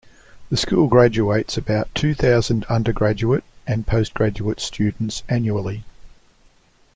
The school graduates about two thousand undergraduate and postgraduate students annually.